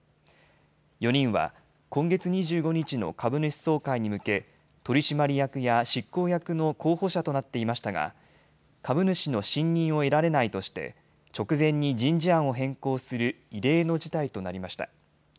４人は今月２５日の株主総会に向け取締役や執行役の候補者となっていましたが株主の信任を得られないとして直前に人事案を変更する異例の事態となりました。